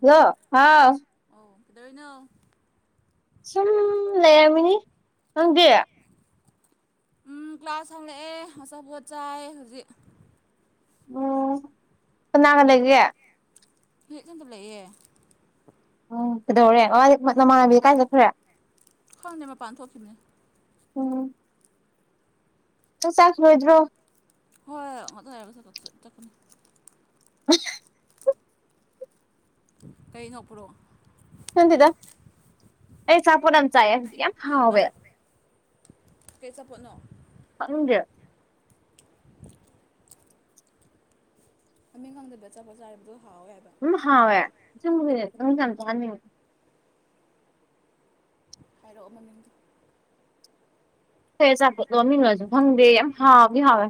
hello ꯍꯥꯎ ꯑꯣꯏꯅꯣ ꯁꯨꯝ ꯂꯩꯔꯝꯃꯤꯅꯤ ꯈꯪꯗꯦ ꯎ ꯀ꯭ꯂꯥꯁ ꯍꯥꯡꯂꯛꯑꯦ ꯑꯆꯥꯄꯣꯠ ꯆꯥꯏ ꯍꯧꯖꯤꯛ ꯎꯝ ꯐꯅꯥꯒ ꯂꯩꯒꯦ ꯍꯀ ꯇꯂꯦ ꯑꯦꯦ ꯎ ꯀꯩꯗꯧꯔꯦ ꯋꯥ ꯅꯃꯥꯟꯅꯕꯤ ꯀꯀꯥꯏ ꯆꯠꯈ꯭ꯔꯦ ꯈꯪꯅꯦꯦ ꯃꯄꯥꯟ ꯊꯣꯛꯈꯤꯕꯅꯦ ꯎ ꯇ ꯆ ꯂꯣꯏꯗ꯭ꯔꯣ ꯍꯣꯏꯣꯏꯉ ꯌꯥ ꯆꯀꯅꯤ ꯍ ꯀꯩꯉꯣꯄ꯭ꯔꯛ ꯁ ꯊꯗ ꯑꯩ ꯆꯄꯅꯝ ꯆ ꯌꯥꯝ ꯍꯥꯎꯕ ꯀꯩ ꯆ ꯐꯅꯣ ꯑꯪꯖ ꯃꯡ ꯈꯪꯗꯕ ꯆꯆꯥꯄ ꯆꯥ ꯍꯥꯏꯔꯤꯕꯗꯣ ꯍꯥꯎꯋꯦ ꯍꯥꯏꯕ ꯎꯝ ꯍꯥꯎꯋꯦ ꯁꯤ ꯅꯪ ꯌꯥꯝ ꯆꯥꯍꯟꯅꯤꯡꯉꯤ ꯍꯥꯏꯔꯛꯑꯣ ꯃꯃꯤꯡꯗꯤ ꯐꯩ ꯑꯆꯥꯄꯣꯠ ꯂꯣꯟꯃꯤꯅꯣꯁꯨ ꯐꯪꯗꯦ ꯌꯥꯝ ꯍꯥꯎꯕꯗꯤ ꯍꯥꯎꯋꯦ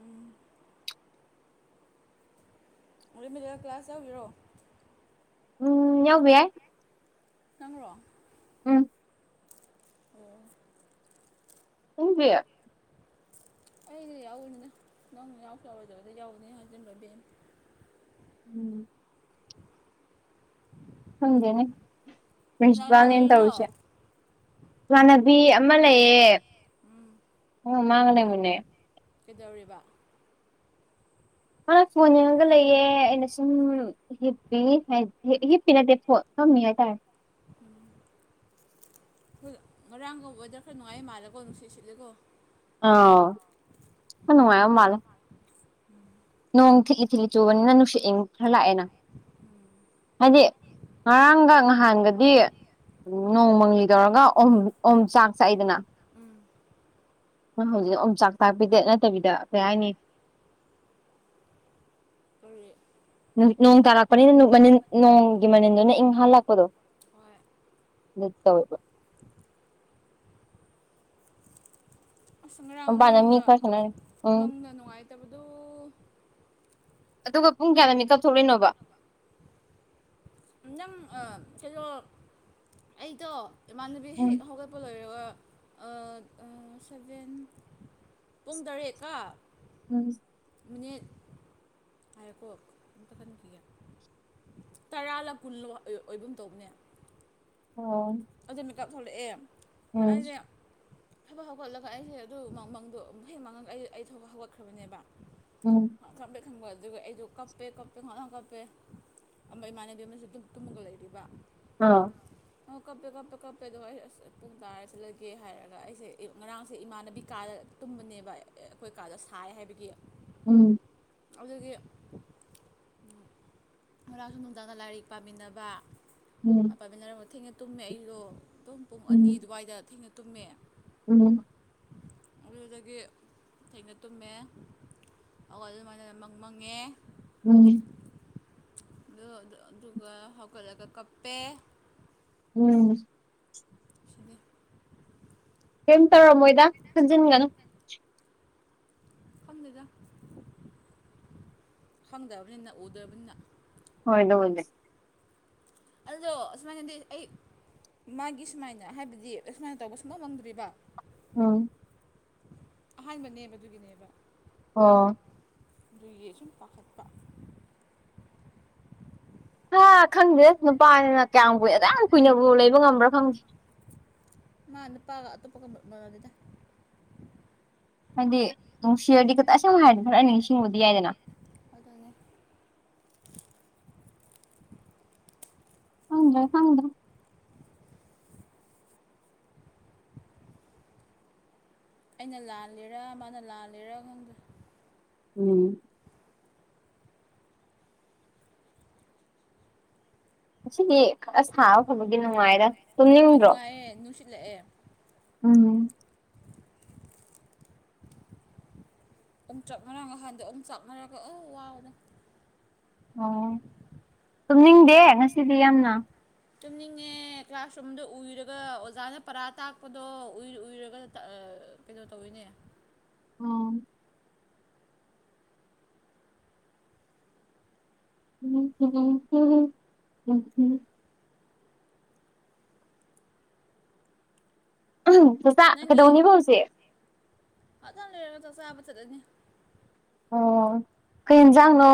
ꯎꯝ ꯦꯃꯤꯗꯦꯜ ꯀ꯭ꯂꯥꯁ ꯌꯥꯎꯤꯔꯛꯣ ꯎꯝ ꯌꯥꯕ ꯌꯥꯦ ꯆꯪꯔꯣ ꯎꯨꯡꯃꯌꯥ ꯑꯩꯗꯤ ꯌꯥꯎꯔꯤꯅꯤꯅ ꯅꯪ ꯌꯥꯎꯁꯨ ꯌꯥꯔꯣꯏꯗꯒꯗꯤ ꯌꯥꯎꯅꯤ ꯍꯟꯖꯤꯟꯕ ꯏ ꯕꯦꯝꯅꯤ ꯎꯝ ꯍꯪꯒꯦꯅꯦ ꯀꯅꯥ ꯀꯅꯥ ꯄ꯭ꯔꯤꯟꯁꯤꯄꯥꯜꯅꯦꯅ ꯂꯩꯔꯤꯅꯣ ꯇꯧꯔꯁꯦ ꯏꯃꯥꯟꯅꯕꯤ ꯑꯃ ꯂꯩꯌꯦ ꯎꯝ ꯎ ꯃꯥꯥꯡꯅꯦ ꯃꯟꯅꯦ ꯀꯩꯗꯧꯔꯤꯕ ꯑ ꯐꯣꯟ ꯌꯦꯡꯉꯒ ꯂꯩꯌꯦꯦ ꯑꯩꯅ ꯁꯨꯝ ꯍꯤꯞꯄꯤ ꯍꯤꯞꯄꯤ ꯅꯠꯇꯦ ꯐꯣꯟ ꯀꯃꯤ ꯍꯥꯏ ꯇꯥꯏ ꯉꯔꯥꯡꯒ ꯋꯦꯗꯔ ꯈꯔ ꯅꯨꯡꯉꯥꯏ ꯃꯥꯜꯂꯦꯀꯣ ꯅꯨꯡꯁꯤꯠ ꯁꯤꯠꯂꯦꯀꯣ ꯑ ꯍꯅꯨ ꯑ ꯃꯜ ꯅꯣꯡ ꯊꯤꯛꯂꯤ ꯊꯤꯛꯂꯤ ꯆꯨꯕꯅꯤꯅ ꯅꯨꯡꯁꯤꯠ ꯏꯡ ꯈꯔ ꯂꯥꯛꯑꯦꯅ ꯍꯥꯏꯗꯤ ꯉꯔꯥꯡꯒ ꯅꯍꯥꯟꯒꯗꯤ ꯎꯝ ꯅꯣꯡꯃꯪꯒꯤ ꯇꯧꯔꯒ ꯑꯣꯝ ꯆꯥꯛ ꯆ ꯑꯩꯗꯅ ꯎꯝ ꯣꯏ ꯍꯧꯖꯤꯛ ꯑꯝ ꯆꯥꯛ ꯇꯥꯛꯄꯤꯗꯦ ꯅꯠꯇꯕꯤꯗ ꯀꯩ ꯍꯥꯏꯅꯤ ꯑꯣꯏꯔꯦ ꯅꯣꯡ ꯇꯥꯔꯛꯄꯅꯤꯅ ꯃ ꯅꯣꯡꯒꯤ ꯃꯅꯤꯜꯗꯨ ꯅ ꯏꯪ ꯍꯜꯂꯛꯄꯗꯣ ꯍꯣꯏ ꯅꯨꯠꯇꯒ ꯑꯁ ꯉꯔꯥꯡ ꯃꯄꯥꯟꯗ ꯃꯤ ꯃꯪꯗ ꯈꯔ ꯁꯥꯟꯅꯔꯤ ꯎꯝ ꯃꯪꯗ ꯅꯨꯡꯉꯥꯏꯇꯕꯗꯨꯣ ꯑꯗꯨꯒ ꯄꯨꯡ ꯀꯌꯥꯗ ꯃꯤꯠ ꯀꯛꯊꯣꯛꯂꯏꯅꯣꯕ ꯅꯪ ꯀꯩꯅꯣ ꯑꯩꯗꯣ ꯏꯃꯥꯟꯅꯕꯤ ꯎꯝ ꯍꯦꯛ ꯍꯧꯒꯠꯄ ꯂꯣꯏꯔꯒ ꯁꯚꯦꯟ ꯄꯨꯡ ꯇꯔꯦꯠꯀ ꯎꯝ ꯃꯤꯅꯤꯠ ꯍꯥꯏꯔꯦꯀꯣ ꯑꯝꯇ ꯈꯟꯈꯤꯒꯦ ꯇꯔꯥ ꯂ ꯀꯨꯟ ꯑꯣꯏꯕ ꯇꯧꯕꯅꯦ ꯑꯣ ꯑꯗꯨꯗꯅ ꯀꯥ ꯊꯣꯛꯂꯛꯑꯦ ꯎꯝ ꯑꯩꯁꯦ ꯊꯕꯛ ꯍꯧꯒꯠꯂꯒ ꯑꯩꯁꯦ ꯑꯗꯨ ꯃꯃꯪꯗꯣ ꯍꯦꯛ ꯃꯉꯪ ꯑꯩ ꯑꯩ ꯊꯕꯛ ꯍꯧꯒꯠꯈ꯭ꯔꯕꯅꯦꯕ ꯎꯝ ꯈꯪꯄ꯭ꯔꯦꯛ ꯈꯪꯕ ꯑꯗꯨꯒ ꯑꯩꯁꯨ ꯀꯞꯄꯦ ꯀꯞꯄꯦ ꯈ ꯀꯞꯄꯦ ꯑꯝꯕ ꯏꯃꯥꯟꯅꯕꯤ ꯑꯃꯅꯁꯨ ꯑꯗꯨꯨꯝ ꯇꯨꯝꯃꯒ ꯂꯩꯔꯤꯕ ꯑꯥ ꯀꯞꯇꯦ ꯀꯞꯇ ꯀꯞꯄꯦꯗꯣ ꯑꯩ ꯑꯁ ꯄꯨꯡ ꯇꯥꯔ ꯆꯠꯂꯒꯦ ꯍꯥꯏꯔꯒ ꯑꯩꯁꯦ ꯉꯔꯥꯡꯁꯦ ꯏꯃꯥꯟꯅꯕꯤ ꯀꯥꯗ ꯀꯨꯝꯕꯅꯦꯕ ꯑꯩꯈꯣꯏ ꯀꯥꯗ ꯁꯥꯏ ꯍꯥꯏꯕꯒꯤ ꯎꯝ ꯑꯗꯨꯗꯒꯤ ꯉꯔꯥꯡꯁꯨ ꯅꯨꯡꯗꯥꯡꯗ ꯂꯥꯏꯔꯤꯛ ꯄꯥꯃꯤꯟꯅꯕ ꯎꯝ ꯄꯥꯏꯃꯤꯟꯅꯔꯝꯕꯣ ꯊꯦꯡꯅ ꯇꯨꯝꯃꯦ ꯑꯩꯗꯣ ꯄꯨꯡ ꯄꯨꯡ ꯑꯅꯤ ꯎꯝ ꯑꯗꯨꯋꯥꯏꯗ ꯊꯦꯡꯅ ꯇꯨꯝꯃꯦ ꯎꯝ ꯑꯗꯨꯗꯒꯤ ꯊꯩꯅ ꯇꯨꯝꯃꯦ ꯑꯣ ꯑꯗꯨꯃꯥꯏꯅ ꯃꯪ ꯃꯪꯉꯦ ꯎꯝ ꯑꯗꯨꯒ ꯍꯧꯒꯠꯂꯒ ꯀꯞꯄꯦ ꯎꯝ ꯁꯤꯅꯤ ꯀꯩꯝ ꯇꯧꯔꯝꯃꯣꯏꯗ ꯈꯟꯖꯤꯟꯒꯅꯨ ꯐꯪꯗꯦꯗ ꯐꯪꯗꯕꯅꯤꯅ ꯎꯗ꯭ꯔꯕꯅꯤꯅ ꯍꯣꯏ ꯑꯗꯨꯧꯕꯅꯦ ꯑꯗꯨꯗꯣ ꯑꯃꯥꯏꯗꯤ ꯑꯩ ꯃꯥꯒꯤ ꯁꯨꯃꯥꯏꯅ ꯍꯥꯏꯕꯗꯤ ꯁꯨꯃꯥꯏꯅ ꯇꯧꯕ ꯁꯨꯝꯃꯃꯪꯗ꯭ꯔꯤꯕ ꯑ ꯑꯍꯥꯟꯕꯅꯦꯕ ꯑꯗꯨꯒꯤꯅꯦꯕ ꯑꯣ ꯑꯗꯨ ꯌꯦ ꯁꯨꯝ ꯄꯥꯈꯠꯄ ꯍꯥ ꯈꯪꯗꯦ ꯑꯁ ꯅꯨꯄꯥꯅꯤꯅ ꯀꯌꯥꯝ ꯀꯨꯏ ꯌꯥꯝ ꯀꯨꯏꯅꯕꯨ ꯂꯩꯕ ꯉꯝꯕ꯭ꯔꯥ ꯈꯪꯗꯦ ꯃꯥ ꯅꯨ ꯄꯥ ꯑꯠꯇ ꯄꯗꯤꯗ ꯍꯥꯏꯗꯤ ꯅꯨꯡꯁꯤꯔꯗꯤ ꯈꯛꯇ ꯑꯁꯦꯡꯕ ꯍꯥꯏꯔꯗꯤ ꯈꯔ ꯅꯤꯡꯁꯤꯡꯕꯗꯤ ꯌꯥꯏꯗꯅ ꯑꯗꯨꯅꯦ ꯍꯪꯖ ꯊꯪꯗꯦ ꯑꯩꯅ ꯂꯥꯂꯦꯔꯥ ꯃꯥꯅ ꯂꯥꯜꯂꯦꯔꯥ ꯈꯪꯗ꯭ꯔꯦ ꯎꯝ ꯑꯁꯤꯗꯤ ꯈꯔ ꯁꯥꯥꯕ ꯐꯕꯒꯤ ꯅꯨꯡꯉꯥꯏꯔ ꯍꯣꯏ ꯅꯨꯡꯉꯥꯏꯑꯦ ꯅꯨꯡꯁꯤꯠꯂꯛꯑꯦ ꯎꯝ ꯑꯝ ꯆꯞ ꯃꯔ ꯉꯍꯥꯟꯗꯣ ꯑꯝ ꯆꯞ ꯃꯔꯒ ꯑ ꯋꯥꯅꯦ ꯑꯣ ꯇꯨꯝꯅꯤꯡꯗꯦ ꯉꯁꯤꯗꯤ ꯌꯥꯝꯅ ꯆꯨꯝꯅꯤꯡꯉꯦ ꯀ꯭ꯂꯥꯁꯔꯨꯝꯗ ꯎꯏꯔꯒ ꯑꯣꯖꯥꯅ ꯄꯔꯥ ꯇꯥꯛꯄꯗꯣ ꯎꯔ ꯎꯏꯔꯒ ꯀꯩꯅꯣ ꯇꯧꯋꯤꯅꯦ ꯑ ꯎꯝꯝꯝ ꯎꯝ ꯆꯁ ꯀꯗꯧꯅꯤꯕꯥꯎꯁꯦ ꯍꯖꯅ ꯂꯩꯒ ꯇꯁ ꯑꯕꯠꯇꯗꯅꯤ ꯑꯣ ꯀꯩꯅꯖꯪꯅꯣ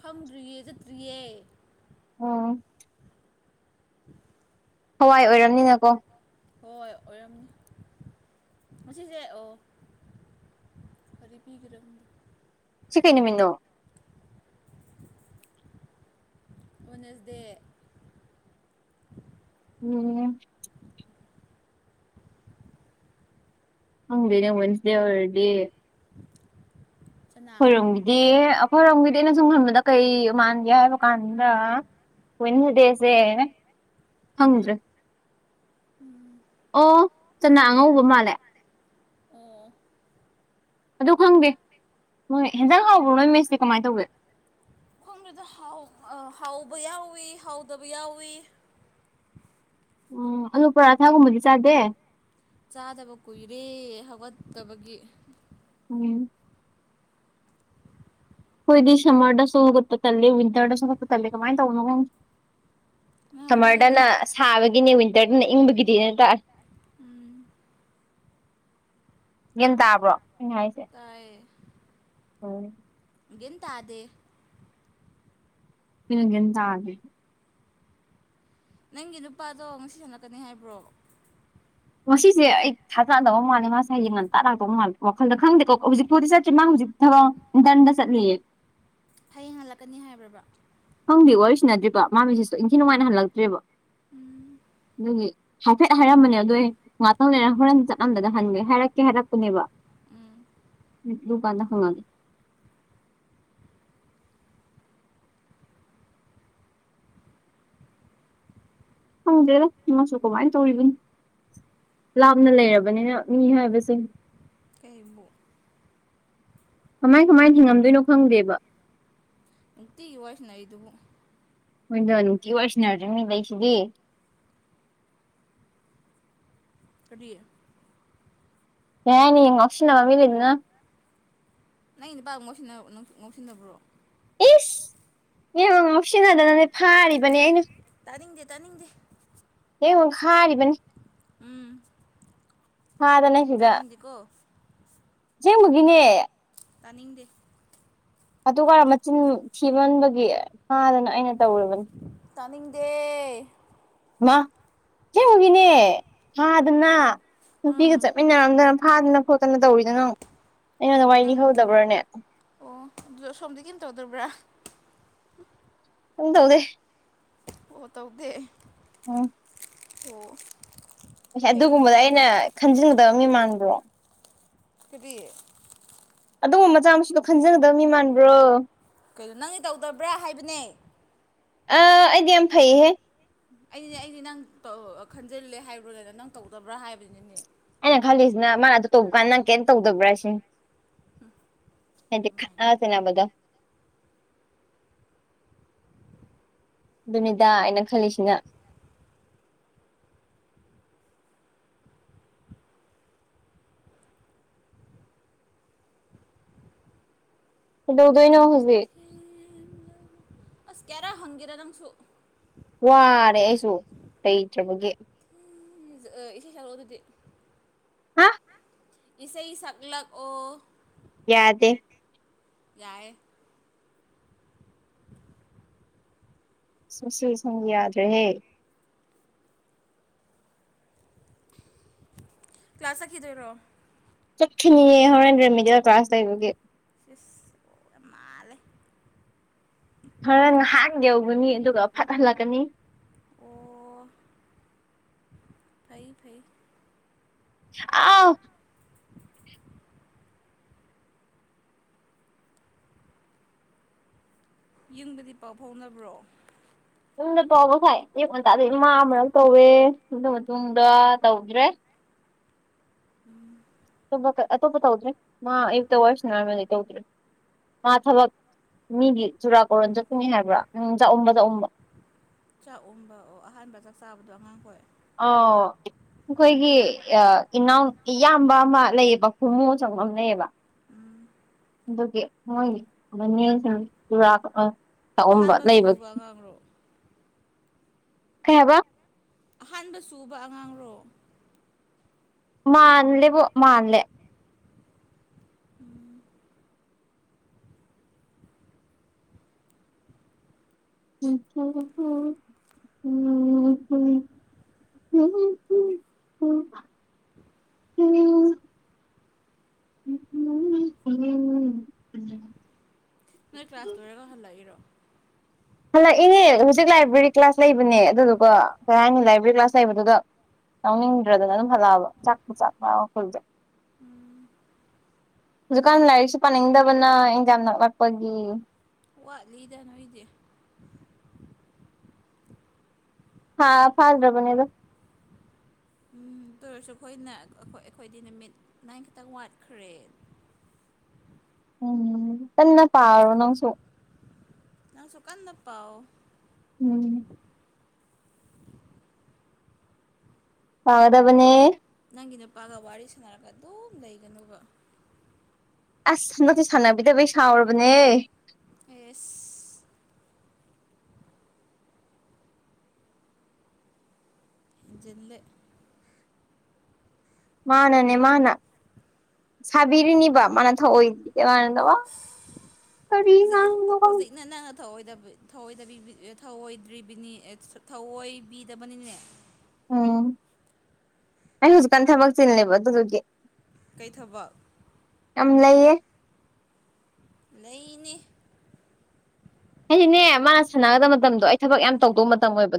ꯈꯪꯗ꯭ꯔꯤꯌꯦ ꯆꯠꯇ꯭ꯔꯤꯌꯦ ꯑꯣ [inaudible] ꯍꯋꯥꯏ ꯑꯣꯏꯔꯕꯝꯅꯤꯅꯀꯣ ꯍꯣꯏ ꯑꯣꯏꯔꯝꯅꯤ ꯉꯁꯦ ꯑꯣ ꯑꯔꯤꯕꯤꯒ꯭ꯔꯕꯨ ꯁꯤ ꯀ ꯅꯨꯃꯤꯅꯣ ꯋꯟꯅꯁ ꯗꯦ ꯎꯝ ꯍꯪꯗꯦꯅꯦ ꯑꯣꯟꯁ ꯗꯦꯋꯥꯔꯗꯤ ꯆꯅꯥ ꯈꯣꯏꯔꯣꯝꯒꯤꯗꯤ ꯑꯩꯈꯣꯏꯔꯣꯝꯒꯤꯗꯤ ꯏꯦꯅ ꯁꯨꯝ ꯈꯟꯕꯗ ꯀꯩ ꯃꯥꯟꯒꯦ ꯍꯥꯏꯕ ꯀꯥꯟꯗ ꯀꯟꯖꯗꯦꯁꯦ ꯍꯪꯗ꯭ꯔ ꯎꯝ ꯑꯣ ꯆꯅꯥ ꯑꯉꯧꯕ ꯃꯥꯜꯂꯦ ꯑꯣꯝ ꯑꯗꯨ ꯈꯪꯗꯦ ꯃꯣꯏ ꯍꯦꯟꯖꯥꯡ ꯍꯥꯎꯕ꯭ꯔꯣ ꯅꯣꯏ ꯃꯦꯁꯇ ꯀꯃꯥꯏꯅ ꯇꯧꯒꯦ ꯈꯣꯡꯗꯨꯗ ꯍꯥꯎꯕ ꯌꯥꯎꯋꯤ ꯍꯥꯎꯗꯕ ꯌꯥꯎꯋꯤ ꯎꯝ ꯑꯂꯨ ꯄꯔꯥ ꯊꯥꯒꯨꯝꯕꯗꯤ ꯆꯥꯗꯦ ꯆꯥꯗꯕ ꯀꯨꯏꯔꯦ ꯍꯧꯒꯠꯇꯕꯒꯤ ꯎꯝ ꯑꯩꯈꯣꯏꯗꯤ ꯁꯝꯃꯔꯗꯁꯨꯒꯠꯄ ꯇꯂꯦ ꯋꯤꯟꯇꯔꯗꯁꯨꯒꯠꯄ ꯇꯂꯦ ꯀꯃꯥꯏꯅ ꯇꯧꯕꯅꯣ ꯈꯣ ꯁꯝꯃꯔꯗꯅ ꯅꯍꯥꯟꯋꯥꯏꯗꯤ ꯁꯥꯕꯒꯤꯅꯤ ꯋꯤꯟꯇꯔꯗꯅ ꯏꯪꯕꯒꯤꯗꯤꯅ ꯇꯥꯔꯦ ꯎꯝ ꯒ꯭ꯟ ꯇꯥꯕ꯭ꯔꯣ ꯑꯩꯅ ꯍꯥꯏꯁꯦ ꯇꯥꯏꯌꯦ ꯍ ꯒꯤꯟ ꯇꯥꯗꯦ ꯍꯒ ꯇꯥ ꯅꯪꯒꯤ ꯅꯨꯄꯥꯗꯣ ꯅꯨꯡꯁꯤ ꯁꯂꯛꯀꯅꯤ ꯍꯥꯏꯕ꯭ꯔꯣ ꯉꯁꯤꯁꯦ ꯑꯩ ꯊꯥꯖꯥꯅꯗꯧ ꯃꯥꯜꯂꯦ ꯃꯥꯁꯦ ꯌꯦꯡ ꯉꯟꯇꯥꯔꯥꯛꯇꯧ ꯃꯥꯜꯂꯦ ꯋꯥꯈꯜꯗ ꯈꯪꯗꯦꯀꯣ ꯍꯧꯖꯤꯛꯄꯨꯗꯤ ꯆꯠꯁꯤꯦ ꯃꯥ ꯍꯧꯖꯤꯛ ꯑꯕ ꯗꯟꯗ ꯆꯠꯂꯤꯌꯦ ꯍꯌꯦꯡ ꯍꯜꯂꯛꯀꯅꯤ ꯍꯥꯏꯕꯕꯥ ꯈꯪꯗꯤ ꯋꯥꯔꯤꯁꯤ ꯅꯗ꯭ꯔꯤꯔꯤꯕ ꯃꯥꯃꯤꯁꯤꯁꯨ ꯏꯪꯊꯤ ꯅꯨꯡꯉꯥꯏꯅ ꯍꯜꯂꯛꯇ꯭ꯔꯦꯕ ꯎꯝ ꯑꯗꯨꯒꯤ ꯍꯥꯏꯐꯦꯠ ꯍꯥꯏꯔꯝꯕꯅꯦ ꯑꯗꯨ ꯉꯍꯥꯛꯇꯪ ꯂꯩꯔ ꯍꯣꯔꯦꯟ ꯆꯠꯂꯝꯂꯒ ꯍꯟꯒꯦ ꯍꯥꯏꯔꯛꯀꯦ ꯍꯥꯏꯔꯛꯄꯅꯦꯕ ꯎꯝ ꯂꯨ ꯀꯥꯟꯗ ꯐꯉꯒ ꯍꯪꯗꯦꯗꯃꯁꯨ ꯀꯃꯥꯏ ꯇꯧꯔꯤꯕꯅꯤ ꯂꯥꯞꯅ ꯂꯩꯔꯕꯅꯤꯅ ꯃꯤ ꯍꯥꯏꯕꯁꯦ ꯀꯕꯨ ꯀꯃꯥꯏ ꯀꯃꯥꯏ ꯍꯤꯡꯉꯝꯗꯣꯏꯅꯣ ꯈꯪꯗꯦꯕ ꯅꯨꯡꯇꯤꯒꯤ ꯋꯥꯏꯐꯅ ꯑꯩꯗꯨꯕꯨ ꯃꯣꯏꯅ ꯅꯨꯡꯇꯤ ꯑꯣꯏꯁꯤꯟꯅꯗ꯭ꯔꯤꯉ ꯂꯩꯁꯤꯗꯤ ꯀꯔꯤꯦ ꯌꯥꯅꯤ ꯑꯣꯞꯁꯟꯟꯅ ꯃꯃꯤꯂꯗꯅ ꯅꯪꯅꯤꯄꯥꯒ ꯉ ꯉꯧꯁꯤꯟꯅꯕ꯭ꯔꯣ ꯏꯁ ꯌꯦꯉ ꯉꯥꯎꯁꯤꯟꯅꯗꯅꯅꯦ ꯐꯥꯔꯤꯕꯅꯦ ꯑꯩꯅ ꯇꯅꯤꯡꯗꯦ ꯇꯥꯅꯤꯡꯗꯦ ꯍꯥꯥꯔꯕꯅꯤ ꯎꯝ ꯍꯥꯗꯅꯦ ꯁꯤꯗ ꯇꯥꯅꯤꯡꯗꯦꯀꯣ ꯆꯦꯃꯒꯤꯅꯦ ꯇꯥꯅꯤꯡꯗꯦ ꯑꯗꯨꯔ ꯃꯆꯤꯟ ꯊꯤꯃꯟꯕꯒꯤ ꯐꯥꯗꯅ ꯑꯩꯅ ꯇꯧꯨꯔꯕꯅꯤ ꯇꯅꯤꯡꯗꯦ ꯃꯥ ꯍꯦꯡꯉꯨꯒꯤꯅꯦ ꯍꯥꯗꯅ ꯅꯨꯄꯤꯒ ꯎꯝ ꯆꯠꯃꯤꯟꯅꯔꯝꯗꯅ ꯐꯥꯟꯗꯅ ꯈꯣꯠꯇꯅ ꯇꯧꯔꯤꯗꯅꯪ ꯑꯣ ꯅꯪ ꯑꯣ ꯑꯗꯨ ꯁꯣꯝꯗꯤ ꯀꯈꯤꯝ ꯇꯧꯗꯕ꯭ꯔꯥ [unintelligible] ꯍ ꯇꯧꯗꯦ ꯑꯣ ꯇꯧꯒꯦ ꯍ ꯇ ꯑꯗꯨꯒꯨꯝꯕꯗ ꯑꯩꯅ ꯈꯟꯖꯤꯟꯒꯗꯕ ꯃꯤ ꯃꯥꯟꯕ꯭ꯔꯣ ꯀꯔꯤꯌꯦ ꯑꯗꯨꯒꯨꯝꯕ ꯃꯆꯥ ꯃꯨꯗꯣ ꯈꯟꯖꯒꯗꯕ ꯃꯤ ꯃꯥꯟꯕ꯭ꯔꯣ ꯀꯩꯩꯅꯣ ꯅꯪꯗꯤ ꯇꯧꯗꯕ꯭ꯔꯥ ꯍꯥꯏꯕꯅꯦ ꯑ ꯑꯩꯗꯤ ꯌꯥꯝ ꯐꯩꯌꯦꯍꯦ ꯑꯩꯅꯦ ꯑꯩꯗꯤ ꯅꯪ ꯈꯟꯖꯤꯜꯂꯦ ꯍꯥꯏꯕ꯭ꯔꯣꯗꯅ ꯅꯪ ꯇꯧꯗꯕ꯭ꯔꯥ ꯍꯥꯏꯕꯅꯤꯅꯦ ꯑꯩꯅ ꯈꯜꯂꯤꯁꯤꯅ ꯃꯥꯅ ꯑꯗꯨ ꯇꯣꯞꯄ ꯀꯥꯟꯗ ꯅꯪ ꯀꯩꯝ ꯇꯧꯗꯕ꯭ꯔꯥ ꯁꯤꯦ ꯃꯥꯅꯦ ꯗꯤꯁꯦꯅꯕꯗꯥ ꯅꯨꯃꯤꯗꯥ ꯑꯩꯅ ꯈꯜꯂꯤꯁꯤꯅ ꯍꯗꯧꯗꯣꯏꯅ ꯍꯧꯖꯤꯦ ꯈꯔ ꯍꯪꯒꯦꯔꯥ ꯅꯪꯁꯨ ꯋꯥꯔꯦ ꯑꯩꯁꯨ ꯂꯩꯇꯕꯒꯤ ꯏꯁꯩ ꯁꯛꯂꯛꯑꯣ ꯑꯗꯨꯗꯤ ꯍꯥ ꯏꯁꯩꯁꯤꯡ ꯁꯛꯂꯛ ꯑꯣ ꯌꯥꯗꯦ ꯌꯥꯏ ꯁꯁꯤ ꯊꯣꯡ ꯌꯥꯗ ꯔꯦ ꯀ꯭ꯂꯥꯁꯈꯤꯗꯣꯏꯔꯣ ꯍꯣꯔꯦꯟꯗ꯭ꯔ ꯃꯤꯗꯤꯌꯦꯜ ꯀ꯭ꯂꯥꯁ ꯂꯩꯕꯒ ꯃꯥꯂꯦ ꯈꯔ ꯉꯍꯥꯟ ꯌꯧꯒꯅꯤ ꯑꯗꯨꯒ ꯐꯠ ꯍꯜꯂꯛꯀꯅꯤ ꯑꯣ ꯐꯩ ꯐꯩ ꯑ ꯌꯪꯕꯗꯤ ꯄꯥꯎ ꯐꯥꯎꯅꯕ꯭ꯔꯣ ꯌꯨꯝꯗ ꯄꯥꯎꯕ ꯈꯥꯏ ꯑꯨ ꯉꯟꯇꯥꯗꯒꯤꯩ ꯏꯃ ꯑꯃꯔꯛ ꯇꯧꯋꯦ ꯑꯗꯨ ꯃꯇꯨꯡꯗ ꯇꯧꯗ꯭ꯔꯦ ꯎꯝ ꯑꯇꯣꯞꯄ ꯇꯧꯗ꯭ꯔꯦ ꯃꯥ ꯑꯨꯛꯇ ꯋꯥꯔꯁ ꯅꯔꯃꯦꯂꯤ ꯇꯧꯗ꯭ꯔꯦ ꯃꯥ ꯊꯕꯛ ꯃꯤꯗꯤ ꯆꯨꯔꯥꯀꯣꯔꯣꯟ ꯆꯠꯀꯅꯤ ꯍꯥꯏꯕ꯭ꯔꯥ ꯎꯪ ꯆꯥꯛꯎꯕ ꯆꯥꯛꯎꯝꯕ ꯆꯥꯛ ꯎꯝꯕ ꯑꯣ ꯑꯍꯥꯟꯕ ꯆꯥꯛ ꯆꯥꯕꯗꯣ ꯑꯉꯥꯡꯈꯣꯏ ꯑ ꯑꯩꯈꯣꯏꯒꯤ ꯏꯅꯥꯎ ꯏꯌꯥꯝꯕ ꯑꯃ ꯂꯩꯌꯦꯕ ꯈꯨꯃꯨ ꯑ ꯆꯪꯉ ꯑꯃ ꯂꯩꯌꯦꯕ ꯎꯝ ꯑꯗꯨꯒꯤ ꯃꯣꯏꯒꯤ ꯃꯅꯦꯨꯔ ꯑ ꯑꯍꯥꯟꯕ ꯁꯨꯕ ꯉꯝ꯭ꯔꯣ ꯀꯩꯕ ꯑꯍꯥꯟꯕ ꯁꯨꯕ ꯑꯉꯥꯡꯔꯣ ꯃꯥꯥꯟꯂꯦ ꯃꯥꯥꯟꯂꯦ ꯎꯝ ꯎꯝ ꯎꯝ ꯎꯝ ꯝ ꯎꯝ ꯎ ꯎꯝ ꯎꯝ ꯎ ꯎꯝ ꯅꯣꯏ ꯀ꯭ꯂꯥꯁ ꯂꯣꯏꯔꯒ ꯍꯜꯂꯛꯏꯔꯣ ꯍꯜꯂꯛꯏꯅꯦ ꯍꯧꯖꯤꯛ ꯂꯥꯏꯕ꯭ꯔꯦꯔꯤ ꯀ꯭ꯂꯥꯁ ꯂꯩꯕꯅꯦ ꯑꯗꯨꯗꯨꯀꯣ ꯀꯩ ꯍꯥꯏꯅꯤ ꯂꯥꯏꯕ꯭ꯔꯦꯔꯤ ꯀ꯭ꯂꯥꯁ ꯂꯩꯕꯗꯨꯗ ꯌꯥꯎꯅꯤꯡꯗ꯭ꯔꯗꯅ ꯑꯗꯨꯝ ꯍꯜꯂꯛꯑꯕ ꯆꯥꯛꯄ ꯆꯥꯛ ꯃ ꯃꯈꯜꯁꯦ ꯎꯝ ꯍꯧꯖꯤꯛꯀꯥꯟ ꯂꯥꯏꯔꯤꯛꯁꯨ ꯄꯥꯅꯤꯡꯗꯕꯅ ꯑꯦꯟꯖꯥꯡ ꯅꯛꯂꯛꯄꯒꯤ ꯋꯥꯠꯂꯤꯗ ꯅꯣꯏꯗꯤ ꯍꯥꯥ ꯐꯥꯁꯗꯕꯅꯦꯗ ꯑꯗꯨꯇ ꯑꯣꯏꯔꯁꯨ ꯑꯩꯈꯣꯏꯅ ꯑꯩꯈꯣꯏꯗꯤ ꯅꯨꯃꯤꯠ ꯅꯥꯏꯟ ꯈꯛꯇꯪ ꯋꯥꯠꯈ꯭ꯔꯦ ꯎꯝ ꯀꯟꯅ ꯄꯥꯔꯣ ꯅꯪꯁꯨ ꯅꯪ ꯁꯨꯀꯥꯟꯗꯄꯥ ꯎꯝ ꯐꯒꯗꯕꯅꯦ ꯅꯪꯒꯤ ꯅꯨꯄꯥꯒ ꯋꯥꯔꯤ ꯁꯥꯟꯅꯔꯒ ꯑꯗꯨꯝ ꯂꯩꯒꯅꯨꯕ ꯑꯁ ꯅꯠꯇꯦ ꯁꯥꯟꯅꯕꯤꯗꯕꯩ ꯁꯥꯎꯔꯕꯅꯦ ꯑꯦꯁ ꯜꯂ ꯃꯥꯅꯅꯦ ꯃꯥꯅ ꯁꯕꯤꯔꯅꯤꯕ ꯃꯅ ꯊ ꯑꯣꯏ ꯃꯗꯧꯕ ꯍꯧꯖꯤ ꯍꯧꯖꯤ ꯅ ꯊꯧꯑꯣꯏꯗ꯭ꯔꯤꯕꯅꯤ ꯊꯑꯣꯏꯕꯤꯗꯕꯅꯤꯅꯦ ꯎꯝ ꯑꯩ ꯍꯧꯖꯤꯛꯀꯥꯟ ꯊꯕꯛ ꯆꯤꯜꯂꯦꯕ ꯑꯗꯨꯗꯨꯒꯤ ꯀꯩꯊꯕ ꯑꯝ ꯂꯩꯥꯏꯌꯦ ꯅꯩꯅꯅꯦ ꯍꯥꯏꯁꯤꯅꯦ ꯃꯥꯅ ꯁꯥꯟꯅꯒꯗꯕ ꯃꯇꯝꯗꯣ ꯑꯩ ꯊꯕꯛ ꯌꯥꯝ ꯇꯧꯗꯧꯕ ꯃꯇꯝ ꯑꯣꯏꯕꯗꯣ